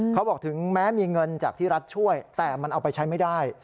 เขาบอกถึงแม้มีเงินจากที่รัฐช่วยแต่มันเอาไปใช้ไม่ได้